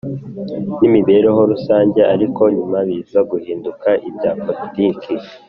n imibereho rusange ariko nyuma biza guhinduka ibya poritiki